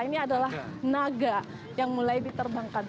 ini adalah naga yang mulai diterbangkan